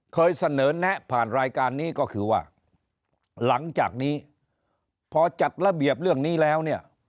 เคยเสนอแนะผ่านรายการนี้ก็คือว่าหลังจากนี้พอจัดระเบียบเรื่องนี้แล้วเนี่ย